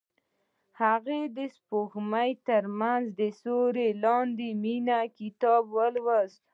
هغې د سپوږمۍ تر سیوري لاندې د مینې کتاب ولوست.